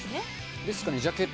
ですかね、ジャケット。